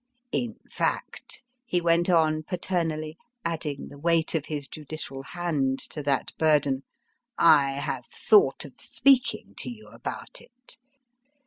BRET HARTE 261 * In fact, he went on paternally, adding the weight of his judicial hand to that burden, I have thought of speaking to you about it.